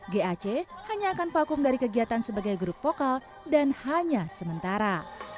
gac hanya akan vakum dari kegiatan sebagai grup vokal dan hanya sementara